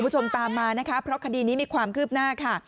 คุณผู้ชมตามมานะคะเพราะคดีนี้มีความคืบหน้าค่ะ